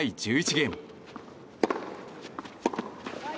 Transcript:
ゲーム。